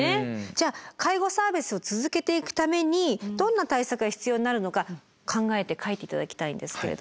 じゃあ介護サービスを続けていくためにどんな対策が必要になるのか考えて書いて頂きたいんですけれども。